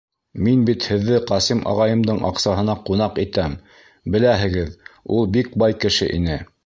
Мин бит һеҙҙе Ҡасим ағайымдың аҡсаһына ҡунаҡ итәм, беләһегеҙ, ул бик бай кеше ине...